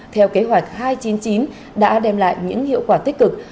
theo kế hoạch hai trăm chín mươi chín đã đem lại những hiệu quả tích cực